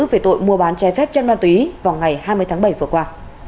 về tội mua bán che phép chăn đoan túy vào ngày hai mươi tháng bảy vừa qua